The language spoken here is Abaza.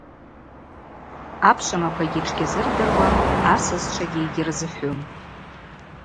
Апшвымаквагьи тшгьазырдыруам, асасчвагьи йгьырзыхӏвум.